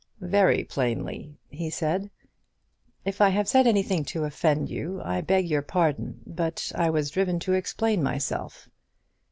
"Very plainly," he said. "If I have said anything to offend you, I beg your pardon; but I was driven to explain myself."